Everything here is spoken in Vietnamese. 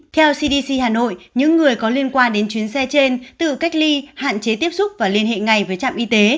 theo cdc hà nội những người có liên quan đến chuyến xe trên tự cách ly hạn chế tiếp xúc và liên hệ ngay với trạm y tế